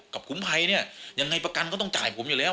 ขุมภัยเนี่ยยังไงประกันก็ต้องจ่ายผมอยู่แล้ว